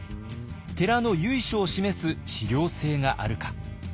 寺の由緒を示す史料性があるか。